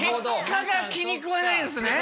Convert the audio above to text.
結果が気にくわないんですね。